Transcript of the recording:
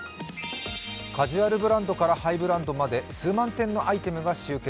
カジュアルブランドからハイブランドまで数万点のアイテムが集結。